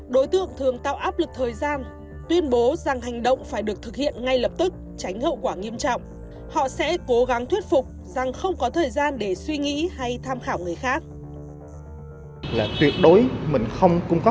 đối tượng thường tạo áp lực thời gian tuyên bố rằng hành động phải được thực hiện ngay lập tức tránh hậu quả nghiêm trọng